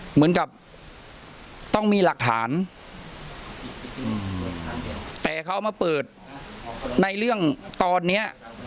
เหมือนกับต้องมีหลักฐานแต่เขาเอามาเปิดในเรื่องตอนเนี้ย